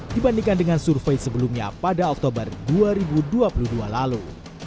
dibandingkan dengan survei sebelumnya pada oktober dua ribu dua puluh dua lalu